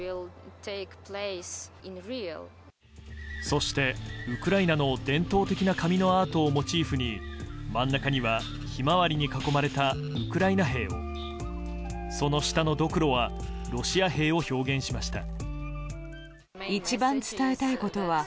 そして、ウクライナの伝統的な紙のアートをモチーフに真ん中にはヒマワリに囲まれたウクライナ兵をその下のドクロはロシア兵を表現しました。